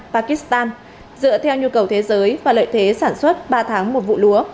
pakistan dựa theo nhu cầu thế giới và lợi thế sản xuất ba tháng một vụ lúa